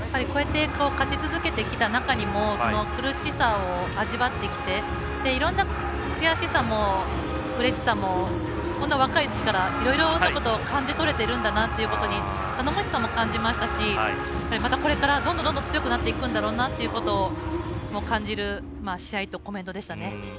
こうやって勝ち続けてきた中にも苦しさを味わってきていろんな悔しさもうれしさもこんな若いうちからいろいろなことを感じ取れてるんだなということに頼もしさも感じましたしこれから、どんどん強くなっていくんだろうなということも感じる試合とコメントでしたね。